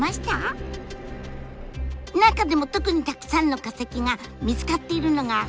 中でも特にたくさんの化石が見つかっているのが北米大陸。